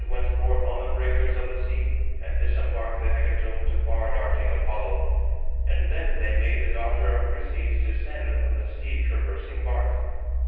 They themselves then went forth on the breakers of the sea, and disembarked the hecatomb to far darting Apollo, and then they made the daughter of Chryses descend from the sea traversing bark.